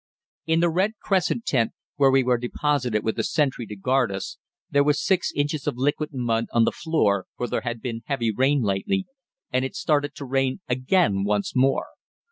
In the red crescent tent, where we were deposited with a sentry to guard us, there were 6 inches of liquid mud on the floor, for there had been heavy rain lately, and it started to rain again once more.